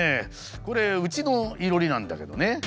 これうちの囲炉裏なんだけどね